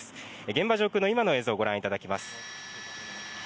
現場上空の今の映像をご覧いただきます。